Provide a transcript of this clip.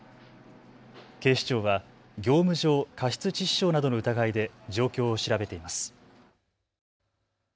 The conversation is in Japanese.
警視庁は業務上過失致死傷などの疑いで状況を調べています。